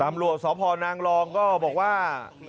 ตำรวจสพนางรองก็บอกว่า